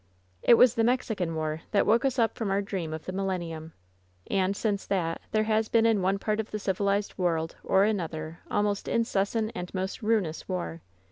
It was the Mexican War that woke us up from our dream of the millennium. And, since that, there has been in one part of the civilized world or another almost incessant and most ruinous war.